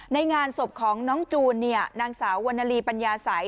ในงานศพของน้องจูนเนี่ยนางสาววันนาลีปัญญาสัย